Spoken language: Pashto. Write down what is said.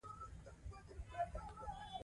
جین اسټن د ټولپوه روایت نوښتګر وکاراوه.